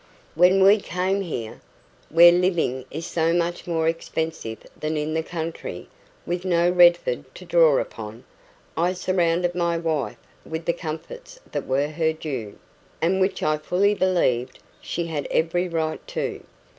When we came here, where living is so much more expensive than in the country" with no Redford to draw upon "I surrounded my wife with the comforts that were her due, and which I fully believed she had every right to."